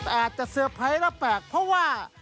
อาจจะเตอร์ไพรส์แล้วแปลกเพราะว่า